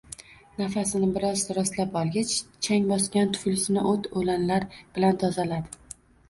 Nafasini biroz rostlab olgach, chang bosgan tuflisini oʻt-oʻlanlar bilan tozaladi